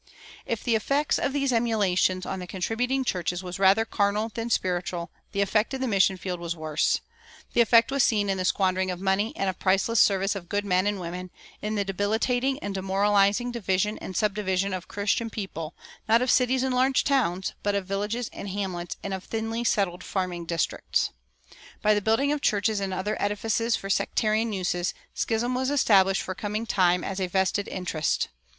If the effect of these emulations on the contributing churches was rather carnal than spiritual, the effect in the mission field was worse. The effect was seen in the squandering of money and of priceless service of good men and women, in the debilitating and demoralizing division and subdivision of the Christian people, not of cities and large towns, but of villages and hamlets and of thinly settled farming districts. By the building of churches and other edifices for sectarian uses, schism was established for coming time as a vested interest.